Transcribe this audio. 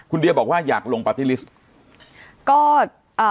คุณเดียบอกว่าอยากลงปาร์ตี้ลิสต์